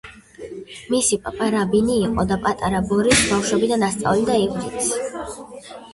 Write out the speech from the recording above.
მისი პაპა რაბინი იყო და პატარა ბორისს ბავშვობიდან ასწავლიდა ივრითს.